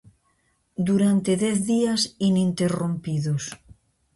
Durante dez días ininterrompidos.